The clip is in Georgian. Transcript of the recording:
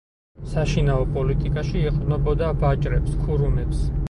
საშინაო პოლიტიკაში ეყრდნობოდა ვაჭრებს, ქურუმებს.